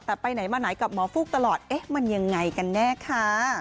แต่ไปไหนมาไหนกับหมอฟุกตลอดมันอย่างไรกันแน่คะ